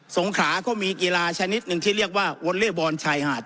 งขาก็มีกีฬาชนิดหนึ่งที่เรียกว่าวอเล่บอลชายหาด